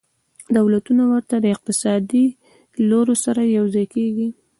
دولتونه د ورته اقتصادي لورو سره یوځای کیږي